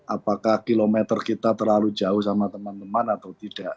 apakah kilometer kita terlalu jauh sama teman teman atau tidak